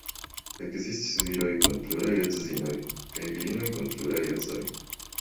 Ekzistis viroj kun pluraj edzinoj, kaj virinoj kun pluraj edzoj.